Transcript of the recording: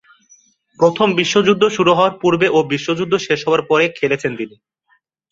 প্রথম বিশ্বযুদ্ধ শুরু হওয়ার পূর্বে ও বিশ্বযুদ্ধ শেষ হবার পরে খেলেছেন তিনি।